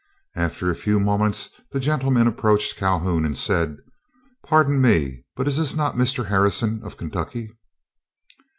After a few moments the gentleman approached Calhoun and said: "Pardon me, but is not this Mr. Harrison of Kentucky?"